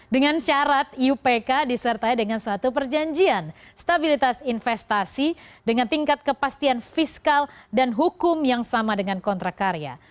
dengan syarat iupk disertai dengan suatu perjanjian stabilitas investasi dengan tingkat kepastian fiskal dan hukum yang sama dengan kontrak karya